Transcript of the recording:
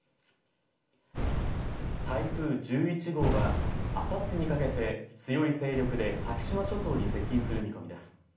台風１１号はあさってにかけて強い勢力で先島諸島に接近する見込みです。